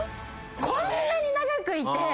こんなに長くいて。